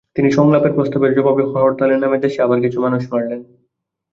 তিনি সংলাপের প্রস্তাবের জবাবে হরতালের নামে দেশে আবার কিছু মানুষ মারলেন।